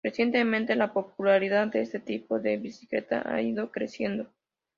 Recientemente, la popularidad de este tipo de bicicleta ha ido creciendo.